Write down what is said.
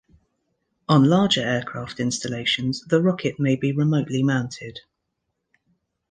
On larger aircraft installations the rocket may be remotely mounted.